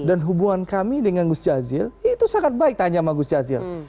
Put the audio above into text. dan hubungan kami dengan gus jazil itu sangat baik tanya sama gus jazil